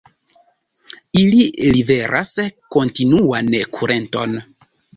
Ili liveras kontinuan kurenton.